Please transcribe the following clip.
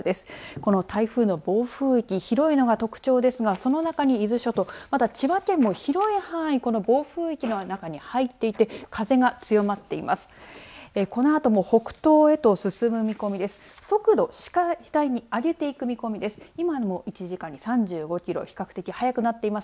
この台風の暴風域広いのが特徴ですがその中に伊豆諸島まだ千葉県も広い範囲この暴風域の中に入っていて風が強まっています。